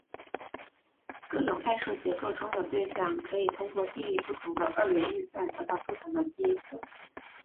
各种代数结构中的对象可以通过定义不同的二元运算得到不同的积。